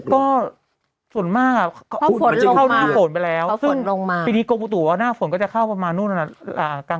ก็ส่วนมากอะเข้าหน้าฝนไปแล้วซึ่งปีนี้โกบุตุว่าหน้าฝนก็จะเข้าประมาณนู้นอะนะ